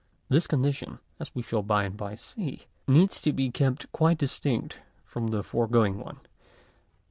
This condition, as we shall by and by see, needs to be kept quite distinct from the foregoing one.